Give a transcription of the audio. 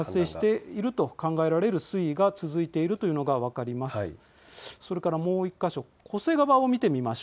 もう氾濫が発生していると考えられる水位が続いているというのが分かります。